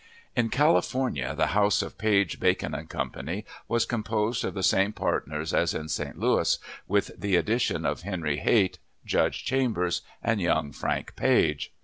In California the house of Page, Bacon & Co. was composed of the same partners as in St. Louis, with the addition of Henry Haight, Judge Chambers, and young Frank Page.